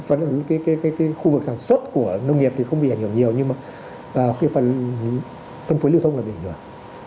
phần cái khu vực sản xuất của nông nghiệp thì không bị ảnh hưởng nhiều nhưng mà cái phần phân phối lưu thông là bị ảnh hưởng